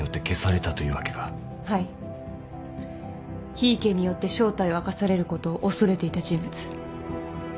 檜池によって正体を明かされることを恐れていた人物。